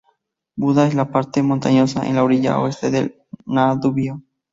Buda es la parte montañosa en la orilla oeste del Danubio.